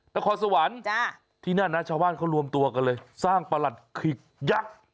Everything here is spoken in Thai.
นครสวรรค์ที่นั่นนะชาวบ้านเขารวมตัวกันเลยสร้างประหลัดขิกยักษ์